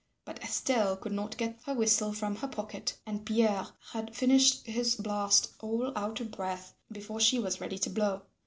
But Estelle could not get her whistle from her pocket and Pierre had finished his blast, all out of breath, before she was ready to blow.